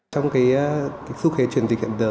trong cái xuất khế truyền dịch hiện giờ